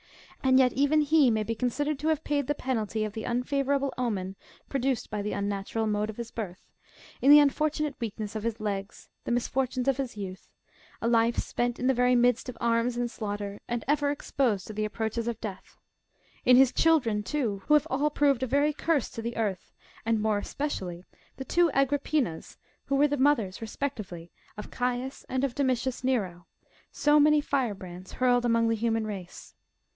And yet, even he may be considered to have paid the penalty of the unfavourable omen produced by the mi natural mode of his birth, in the unfortunate weakness of his legs, the misfortunes of his youth, a life spent in the very midst of arms and slaughter, and ever exposed to the approaches of death ; in his children, too, who have all proved a veiy curse to the earth, and more especially, the two Agrippinas, who were the mothers respectively of Caius and of Domitius Kero,*^ so many firebrands hurled among the human race.